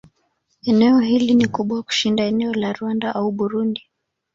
Eneo hili ni kubwa kushinda eneo la Rwanda au Burundi.